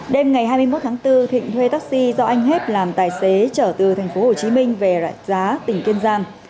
đêm ngày hai mươi một tháng bốn thịnh thuê taxi do anh hết làm tài xế trở từ tp hồ chí minh về lại giá tỉnh kiên giang